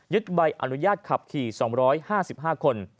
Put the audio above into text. ใบอนุญาตขับขี่๒๕๕คน